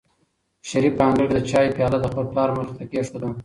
شریف په انګړ کې د چایو پیاله د خپل پلار مخې ته کېښوده.